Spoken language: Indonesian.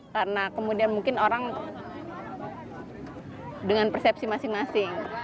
karena kemudian mungkin orang dengan persepsi masing masing